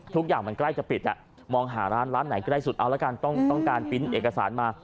ทุกอย่างมันใกล้จะปิดมองหาร้านร้านไหนใกล้สุดเอาละกันต้องการปริ้นต์เอกสารมา